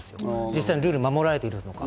実際ルールが守られているかどうか。